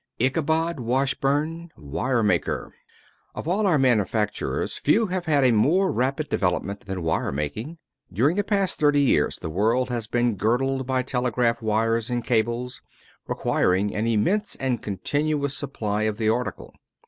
ICHABOD WASHBURN, WIRE MAKER. Of all our manufactures few have had a more rapid development than wire making. During the last thirty years the world has been girdled by telegraphic wires and cables, requiring an immense and continuous supply of the article.